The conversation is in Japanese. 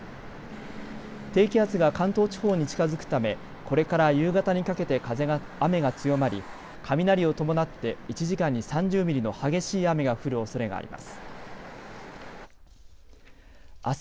低気圧が関東地方に近づくためこれから夕方にかけて雨が強まり雷を伴って１時間に３０ミリの激しい雨が降るおそれがあります。